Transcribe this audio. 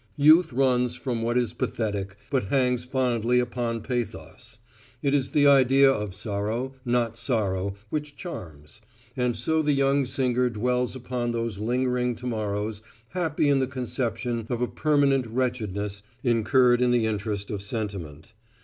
Youth runs from what is pathetic, but hangs fondly upon pathos. It is the idea of sorrow, not sorrow, which charms: and so the young singer dwells upon those lingering tomorrows, happy in the conception of a permanent wretchedness incurred in the interest of sentiment.